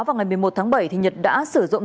vào ngày một mươi một tháng bảy nhật đã sử dụng